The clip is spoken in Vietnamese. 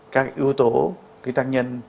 các yếu tố cái tăng nhân